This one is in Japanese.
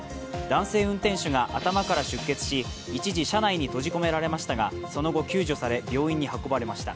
男性運転手が頭から出血し一時、車内に閉じ込められましたがその後救助され、病院に運ばれました。